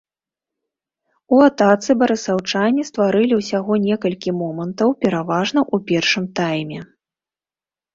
У атацы барысаўчане стварылі ўсяго некалькі момантаў, пераважна ў першым тайме.